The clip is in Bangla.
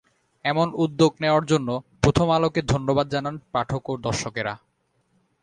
এমন উদ্যোগ নেওয়ার জন্য প্রথম আলোকে ধন্যবাদ জানান পাঠক ও দর্শকেরা।